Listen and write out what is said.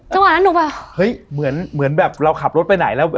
จังหวะนั้นหนูแบบเฮ้ยเหมือนเหมือนแบบเราขับรถไปไหนแล้ว